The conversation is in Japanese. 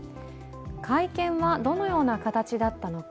会見はどのような形だったのか。